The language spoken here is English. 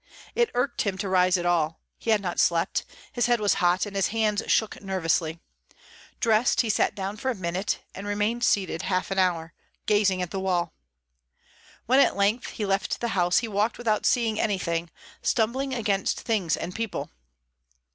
It irked him to rise at all. He had not slept; his head was hot, and his hands shook nervously. Dressed, he sat down for a minute, and remained seated half an hour, gazing at the wall. When at length he left the house, he walked without seeing anything, stumbling against things and people.